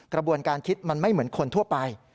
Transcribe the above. กระบวนการคิดมันไม่เหมือนคนทั่วไป